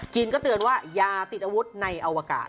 ก็เตือนว่าอย่าติดอาวุธในอวกาศ